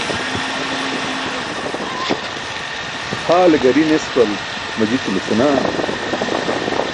Haale gari nespal majitulo senaan.